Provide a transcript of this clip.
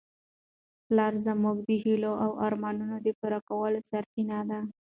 پلار زموږ د هیلو او ارمانونو د پوره کولو سرچینه ده.